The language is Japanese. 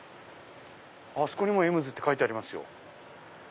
あそこにも「Ｍｓ．」って書いてありますよ。